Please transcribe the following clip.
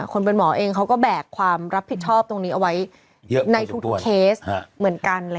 คนเป็นหมอเองเขาก็แบกความรับผิดชอบตรงนี้เอาไว้ในทุกเคสเหมือนกัน